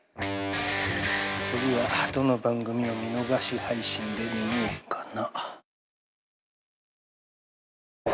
次はどの番組を見逃し配信で見ようかな。